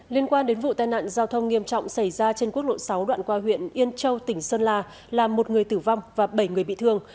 liên quan đến vụ tai nạn giao thông nghiêm trọng xảy ra trên quốc lộ sáu đoạn qua huyện yên châu tỉnh sơn la là một người tử vong và bảy người bị thương